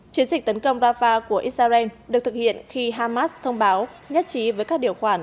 chiến dịch tấn công rafah của israel được thực hiện khi hamas thông báo nhất trí với các điều khoản